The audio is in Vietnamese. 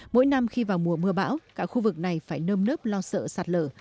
mỗi năm khi vào mùa mưa bão cả khu vực này phải nơm nớp lo sợ sạt lở